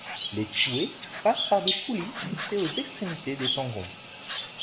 Les touées passent par des poulies fixées aux extrémités des tangons.